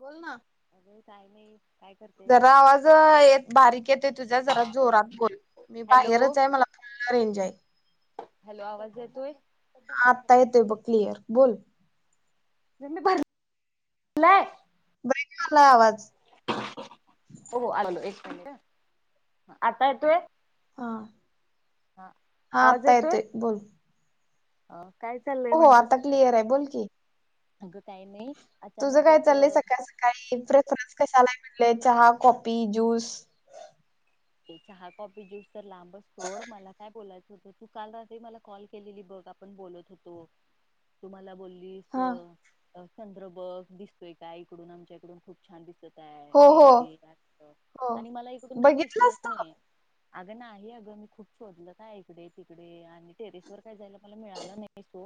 बोल ना अगं काय नाही काय करते जरा आवाज येत बारीक येतोय. तुझ्यात जरा जोरात बोल मी हॅलो बाहेरच आहे मला फूल रेंज आहे. हॅलो आवाज येतोय. हा आत्ता येतोय बघ क्लिअर बोल मी भरलाय. ब्रेक व्हायलाय आवाज हो आलो एक आता येतोय. हा हा हा आत्ता येतोय बोल ह हो आता क्लिअर आहे बोल की अगं काही नाही तुझं काय अचानकच चाललंय सकाळी सकाळी कशाला आहे चहा, कॉफी ज्यूस ते चहा कॉफी ज्यूस तर लांबच सोड मला काय बोलायचं होतं तू काल रात्री मला कॉल केलेली बघ आपण बोलत होतो तू मला बोलली हा चंद्र बघ दिसतोय का इकडून आमच्या इकडून खूप छान दिसत हो हे हो ते हो आणि मला इकडून काय बघितलास दिसलच तू? नाही अगं नाही अगं मी खूप शोधलं काय इकडे तिकडे आणि टेरेस वर काय जायला मला मिळालं नाही सोड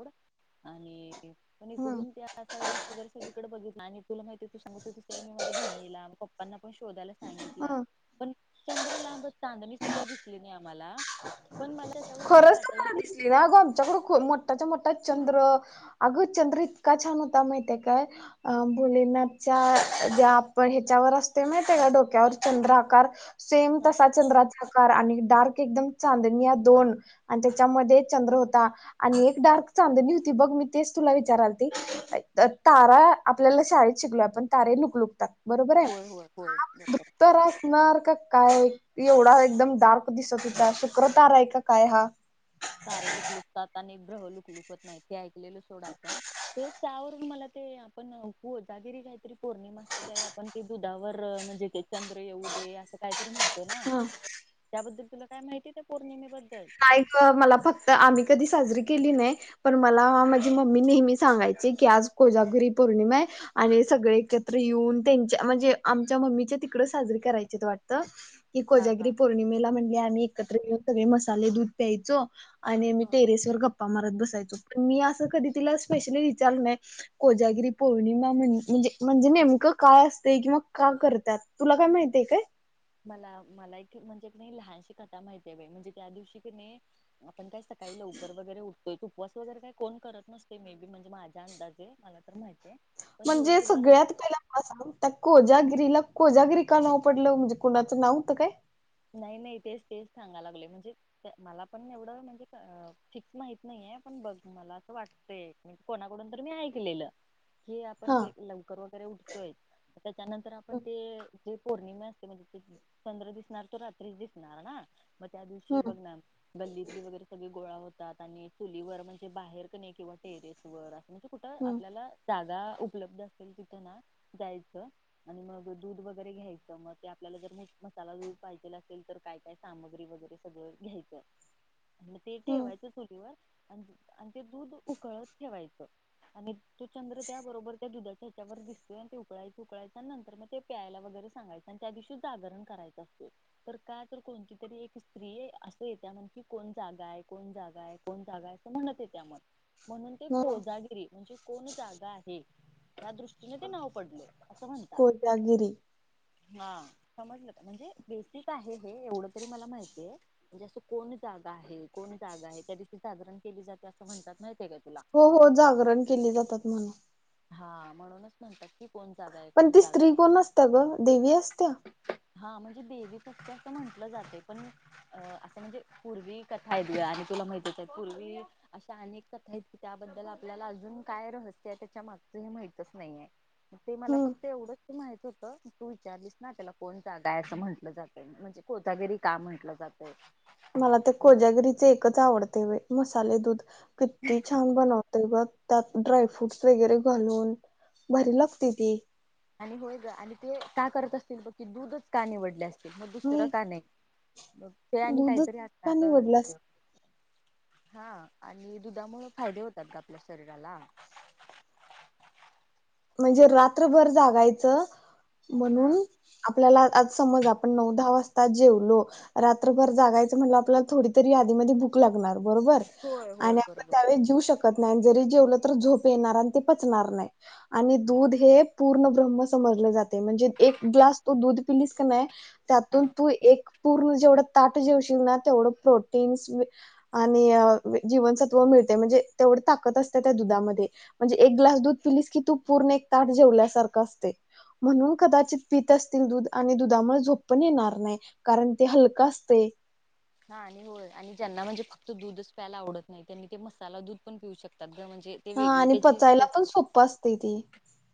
आणि पण हम्म इकडून त्या साइडून वगैरे सगळीकडे बघितलं आणि तुला माहिती तू सांगत होतीस मी माझ्या बहिणीला, पप्पांना पण शोधायला सांगितला हम्म. पण चंद्र लांबच चांदणी सुद्धा दिसली नाही आम्हाला पण मला त्याच्यावरून एक खरंच आठवलं तुम्हाला ते दिसली नाही अगं आमच्याकडं मोठाच्या मोठा चंद्र अगं चंद्र इतका छान होता माहितीये काय भोलेनाथच्या ज्या आपण पण ह्याच्यावर असतोय माहितीये काय डोक्यावर चंद्र आकार सेम हा हा तसा चंद्राचा आकार आणि डार्क एकदम चांदणी या दोन आणि त्याच्यामध्ये चंद्र होता आणि एक डार्क चांदणी होती बघ मी तेच तुला विचाराल ते तारा आपल्याला शाळेत शिकलो आपण तारे लुकलुकतात बरोबर आहे होय होय होय हा बरोबर भत्तर असणार का काय एवढा एकदम डार्क दिसत होता शुक्रताराआहे का काय हा तारे लुकलुकता आणि लुकलुकत नाही ते ऐकलेलं सोड आपण तेच त्यावरून म ते आपण गोदागिरी काहीतरी पौर्णिमा असते त्यावेळी आपण दुधावर म्हणजे चंद्र येऊ दे असं काय म्हणतो ना हा. त्याबद्दल तुला काय माहिती त्या पौर्णिमेबद्दल नाही गं मला फक्त आम्ही कधी साजरी केली नाही पण मला माझी मम्मी नेहमी सांगायची तेच कि आज कोजागरी पौर्णिमा आहे आणि सगळे एकत्र येऊन त्यांच्या म्हणजे आमच्या मम्मीच्या तिकडं साजरी करायचे वाटतं कि हा हा कोजागिरी पौर्णिमेला म्हणजे आम्ही एकत्र येऊन सगळे मसाले दूध प्यायचो आणि मी टेरेस वर गप्पा मारत बस बसायचो पण मी‌असं कधी तिला स्पेशली विचारले नाही कोजागिरी पौर्णिमा म्हणजे म्हणजे नेमकं काय असतंय किंवा का करतात तुला काय माहितीय काय मला मला एक म्हणजे नाही लहानशी कथा माहिती आहे बाई म्हणजे त्या दिवशी की नाही आपण काय सकाळी लवकर वगैरे उठ तोय उपवास वगैरे काही कोण करत नसते मे बी म्हणजे माझ्या अंदाजे मला तर माहिती आहे म्हणजे सगळ्यात पहिला मला सांग त्यात कोजा गिरीला कोजागिरी का नाव पडलं म्हणजे कुणाचं नाव होतं काय नाही नाही तेच तेच सांगाय लागले म्हणजे मला पण एवढं म्हणजे फिक्स माहित नाही पण बघ मला असं वाटतंय म्हणजे कोणाकडून तरी मी ऐकलेलं हे आपण हा लवकर सूर्योदय त्याच्यानंतर आपण हम्म ते ज पौर्णिमे असते म्हणजे चंद्र दिसणार तो रात्रीच दिवसणार ना मग त्या दिवशी बघ ना गल्लीतली वगैरे सगळे गोळा होतात आणि चुलीवर म्हणजे बाहेर क नाही किंवा टेरेस वर असं म्हणजे कुठं हम्म आपल्याला जागा उपलब्ध असेल तिथ ना जायचं आणि मग दूध वगैरे घ्यायचं मग ते आप जर मसाला दूध पाहिजेला असेल तर काय काय सामग्री वगैरे सगळं घ्यायचं. आणि ते हम्म ठेवायचं चुलीवर आणि आणि ते दूध उकळत ठेवायचं. आणि तो चंद्र त्या बरोबर त्या दुधाच्या ह्याच्यावरर दिसतोय ते उकळायच उकळायचा आणि नंतर मग ते प्यायला वगैरे सांगाय त्या दिवशी जागरण कराचं असत. तर काय तर कोणती तरी एक स्त्री असं येत्या म्हण कि कोण जागा आहे कोण जागा आहे कोण जा अस म्हण त्या म्हणून ते हम्म कोजागिरी म्हणजे कोण जागा आहे. त्या दृष्टीने ते नाव पडले असं म्हणतात. कोजागिरी हा समजलं का म्हणजे बेसिक आहे हे एवढं तरी मला माहितीय म्हणजे असं कोण जागा आहे कोण जागा आहे त्या दिशी साधण केली जाते असं म्हणतात. का तुला हो हो जागरण केली जातात म्हला हा म्हणूनच म्हणतात की कोण जागा आहे पण कोण ती जागा स्त्री आहे कोण असत ग देवी असत्या क अस म्हटलं जाते पण असं म्हणजे पूर्वी कथा आहे आणि तुला माहतीच आहे पूर्वी अश अनेक कथा आहेत त्याबद्दल आपल्याला अजून काय रहस्य ग हे माहितच नाही आहे ते मला हम्म फक्त एवढंच माहित होत तू विचारलीस ना त्याला कोणता गाय असं म्हटलं जाते म्हणजे कोथगिरी का म्हंटलं जाते मला ते कोजागिरीचे एकच आवडते मसाले दूध किती छान बनवतय ग त्यात ड्रायफ्रूट्स वगैरे घालून भरी लागते ती आणि होय ग आणि ते का करत असतील ब की दूधच का निवडले अस मग दुसरं हम्म का नाही मग ते आणि दूधच काहीतरी का असणार असते. निवडलास हा आणि दुधामुळे फायदे होतात ग आपल्या शरीराला म्हणजे रात्रभर जागायचं. हा म्हणून आपल्याला आज समज आपण नऊ दहा वाजता जेवलो रात्रभर जागायचं म्हणलं आपल्याला थोडी तरी आदीमध्ये भूक लागणार. बरोबर होय होय आणि आपण बरोबर त्यावेळेस जऊ शकतो. त नाही जरी जेवलं तर झोप येणार आणि ते पचणार नाही. आणि दूध हे पूर्ण ब्रहम्म समजले जाते म्हणजे एक ग्लास तू दूध पिलीस का नाही. हा त्यातून तू एक पूर्ण जेवढं ताट जेवशील ना तेवढं प्रोटीन्स आणि जीवनसत्व मिळत. म्हणजे तेवढी ताकद असते त्या दुधात मध्ये एक ग्लास दूध पिली की तू. पूर्ण एक ताट जेवल्यासारखं असते. म्हणून कदाचित पत असतील दूध आणि दुधामुळे झोपपण येणार नाही कारण ते हलका असत. हा आणि होय आणि ज्यांना म्हणजे फक्त दूधच प्यायला आवडत नाही त्यांनी ते मसाला दूध पण पिऊ शकत. शब् म्हणजे ते हा वेगळी आणि त्याची पचायला पण सोपं असते ती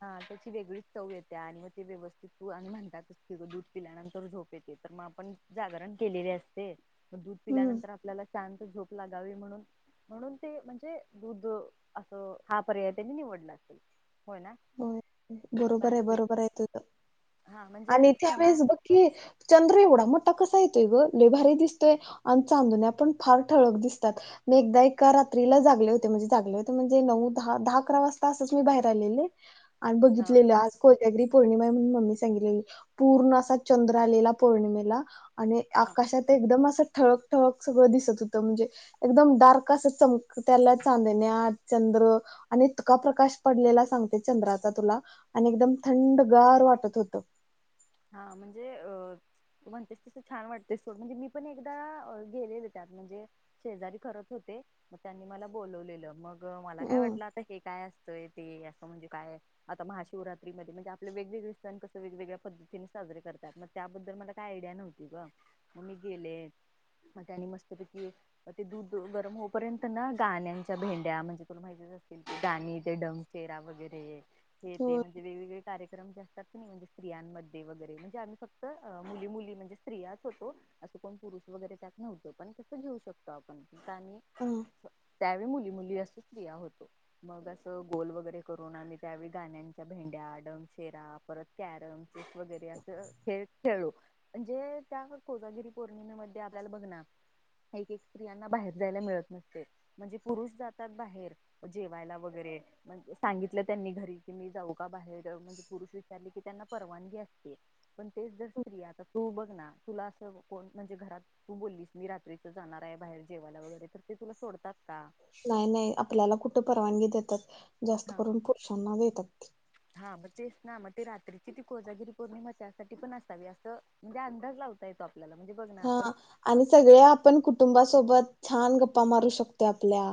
हा त्याची वेगळीच येत आणि मग ते व्यवस्थित म्हणतात दूध पल्यानंतर झोप येते तर मग आपण जारण असते दूध हम्म पिल्यानंतर आपल्याला शांत झोप लागावी म्हणून म्हणून ते म्हणजे दूध असं हा पर्याय त्यांनी निवडला. असेल होय ना हो बरोबर आहे बाकी बरोबर आहे तुझं. हा म्हणजे आणि सणा त्यावेेळेस बघ की चंद्र एवढा मोठ आता कसा येतोय लयभारी दिसतोय आणि चांदण्या पण फार ठळक दिसतात मी एकदा एका रात्री रात्रीला जागले होते म्हणजेगले होते म्हणजे नऊ दहा दहा अकरा वाजता असंच मी बाहेर आलेले आणि बघितलेलं आज कोत्यागिरी पौर्णिमा म्हणून मम्मीी सांगितलेली पूर्ण अस चंद्र आलेला पौर्णिमेला आणि ह आकाशात एकदम असं ठळक ठळक सगळं दिसत होतं म्हणजे एकदम डार्क असं चमक त्याला चांदण्या च त प्रकाश पडलेला सग चंद्राचा तुला आणि एकदम थंडगार वाटत होत हा म्हणजे अ तू म्हणतेस तस छान वाटतेस सोड म्हणजे मी पण एकदा गेलेले त्यात म्हणजे शेजारी करत होते मग त्यांनी मला बोलवलेलं मग मला काय हम्म वाटलं आता हे काय अस ते असं म्हणजे काय आता महाशिवरात्रीमध्येध्ये म्हणजे आपले वेगवेगळे सण कसं वेगवेगळ्या पद्धती साजरे करतात मग त्याबद्दल मला काही आयडिया नव्हती ग मग मी गेले मग त्यानी मस्तपैकी ते दूध गरम होऊपर्यंत ना गाण्यांच्या भेंड्या म्हणजे तुला माहिती अस ते गाणी तेे डंग चेहरा वगैरे हे ते म्हणजे वेगवेगळे कार्यक्रम जे असतात म्हणे स्तियांमध्ये रे म्हणजे आम्ही फक्त मुली मुली म्हणे स्त्रिच होतो असं कोण पुरुष वगरे त्यात नव्हत प तसं घेऊ शकतो आपण कतो ह त्या मुली अस ग वरे करून आ त्यावे गाण्याच्या भेड्या चरा परतर वगरे असं खे खेळू म्हणजे त्या कोजागिरी पौर्णिमेमध्ये आपल्याला बघ ना एक एक स्त्रियांना बाहेर जायला मिळत नसते म्हणजे पुरुष जातात बाहेर जेवायला वगैरे सांगितलं त्यांनी घरी की मी जाऊ का बाहेर जा म्हणजे पुरुष विचारले की त्यांना परवाग अस पण ते जर स्त तू बघ ना तुला अस म्हणजे घरात मी रात्रीच जाणार आहे बाहेर जेवायला वगैरे तर ते तुला सोडतात का नाही नाही आपल्याला कुठे परवानगी देतात जास्त हा करून पुरुषांना देतात हा मग तेच ना मग ते रात्रीची ती कोजागिरी पौर्णिमा त्यासाठी पण असावी असं म्हणजे अंदाज लावता येतो आप हा आणि सगळ्या आपण कुटुंबासोबत छान गप्पा मारू शकतो आपल्या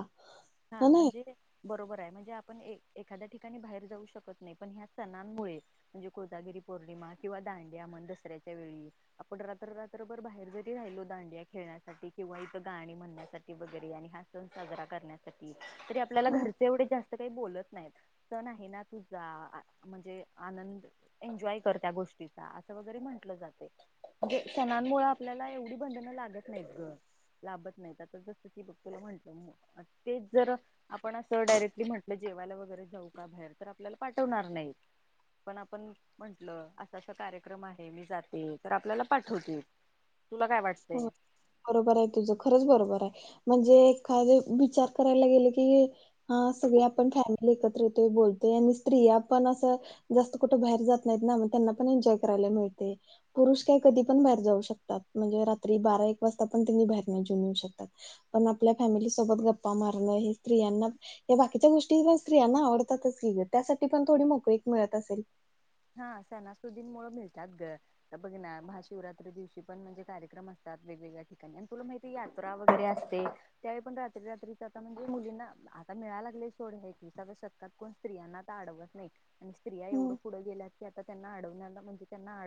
ह हा नाही म्हणजे बरोबर आहे म्हणजे आपण एखाद्या ठिकाणी बाहेर जाऊ शकत नाही पण ह्या सणांमुळे म्हणजे कोजागिरी पौर्णि किंवा दांड्या मण दसऱ्याच्या वेळी आपण रात्र रात्रभर बाहेर जरी राहिलो दांडि खे किंवा इथं गाणी म्हणण्यासाठी वगैरे आणि हा सण साजरा करण्यासाठी त आपल्याला घरचे एवढे जास्त का बत नाहीण आहे ना तुझा म्हणजे आनंद एन्जॉय कर त्या गोष्टी वरे म्हट जाते म्हणजे सणांमुळे आपल्याला एवढी बंधनं लागत नाही लाभत नाही आता जसं की बघ तुला म्हटलं तेच जर आपण असं डायरेक्टली म्हटलं जेवायला वगैरे जाऊ का बाहेर तर आपल्याला पाठवणार नाहीत पण आपण म्हंटल असा असा कार्यक्रम आहे मी जाते तर आपल्याला पाठवते हो बरोबर आहे तुझं खरच बरोबर आहे म्हणजे एखादे विचार करायला गेले की हा सगळे आपण फॅमिली एकत्र येतो बोलतो स्त्र पण जास्त कठ बाहेर जात नाही त्यांना पण एॉय करायला मिळ पुरुष काय की पण बाहेर जाऊ शकतात म्हणजे अगदी बारा एक वाजता पण तुम्ही बाहेर निघू शकतात पण आपल्या फॅमिली सोबत गप्पा मारणे हे फ्री बाकीच्या गोष्टी प स्त्रियांना आवडतातच त्यासाठी पण थोडी नकरी मिळत असेल हा सणासतुदीन मुळ मिळतात ग बघ ना महाशिवरात्री दिवशी पण म्हणजे कार्यक्रम असतात वेगवेगळ्या ठिकाणी आणि तुला माहिती यात्रा वगैरे असते त्यावेळी पण रात्री रात्रीच आता म्हणजे मुलींना आता मिळा लागले सोड ह की सग शतकात कोण स्त्रियां आता अडवत नाही आणि स्त्रिया हम्म एवढं पुढं गेल्या क आता त्यांना अडव म्हणजे त्यांना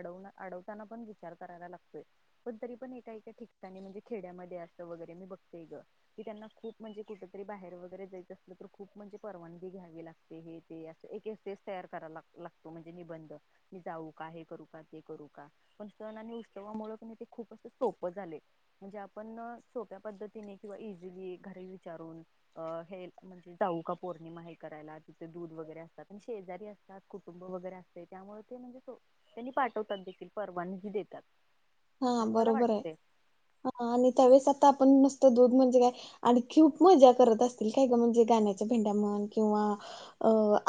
अडवताना पण विचार करायला लागतोय पण तरी पणय ठिकाणी म्हणजे खेड्या असर मी बतेय ग की त्यांना खूप म्हणजे कुठरी बाहेर वगैरे तर खूप म्हणजे परवानगी घ्यावी लागते हे ते अस तयार करा ला लागतो म्हणजे निबंध मी जाऊ का हे करू का ते करू का पण सण आणि उष्णवामुळ ते तुम्ही खूप अस सप झाले आपण सोप्या पद्धतीने किंवा इझीली घरी विचारून हे म्हणजे जाऊका पौर्णिमा हे करायला तिथे दूध वगैरे असतात पण शेजारी असतात कुटुंब वगैरे असतात त्यामुळे ते म्हणजे त्यांनी पाठवतात देखील परवानगी देतात हा असं मला बरोबर आहे वाटते हा आणि त्यावेळेस आता आपण नस दूध म्हणजे काय आणि खूप मजा करत असतील काय ग म्हणजे गाण्याच्या भेंड्या म्हण किंवा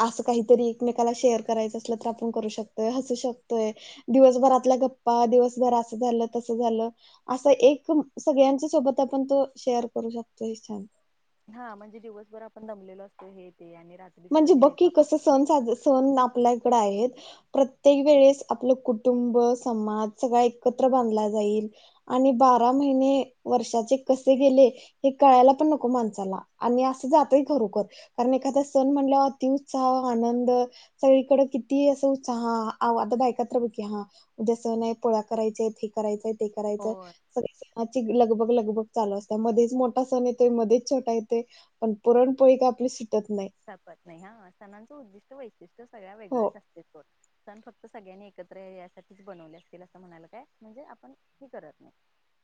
असं काहीतरी एकमेकाला शेअर करायचं असलं तर आपण करू शकतोय हसू शकतोय दिवसभर आपल्या गप्पा दिवसभरा झालं तस झालं अस एक सगळ्यांच्या सोबत आपण तो शेअर करू शकतो हे छान हा म्हणजे दिवसभर आपण दमलेलो असतो हे ते आणि रात्रीच म्हणजे कधी बक नाही तर की, आप- कस सण साज सण ना आपल्याकड आहेत, प्रत्येक वेळेस आपलं कुटुंब समाज सगळा एकत्र बांधला गेला आणि बारा महिने वर्षाचे कसे गेले हे कळायला पण नको माणसाला. आणि असं जातोय खरोखर कारण एखाद्या सण म्हणल्या अति उत्साह आनंद सगळीकड किती अस उत्साह आता बायका तर क हा जस नाही पोळ्या करायचय हे करायचंय ते करायचं. होय लगभग लगभग चालू असत्या मध्येच मोठा सण येतोय मध्येच छोटा येतोय पण पुरणपोळी का, निसटत नई. संपत नाही हा सणांचं उद्दिष्ट वैशिष्ट्य सगळ्या हो वेगळंच असते सोड. सण फक्त सगळ्यांनी एकत्र यायसाठीच बनवले असतील असं म्हणाला काय म्हणजे आपण हे करत नाही.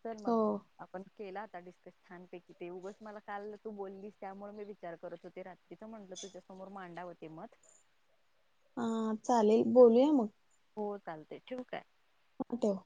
तर मग हो आपण. केला होता, डिस्कस छानपैकी ते उघच मला काल तू बोललीस त्यामुळे मी विचार करत होते रात्री. तिथं म्हंटलं तुझ्यासमोर मांडाव ते मत. हा चालेल बोलूया मग. हो चालतंय ठेवू काय. हा ठेव.